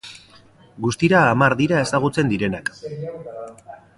Guztira hamar dira ezagutzen direnak.